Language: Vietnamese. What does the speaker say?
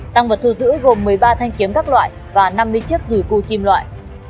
tăng vật thu giữ gồm một mươi ba thanh kiếm các loại và năm mươi chiếc rùi cui kim loại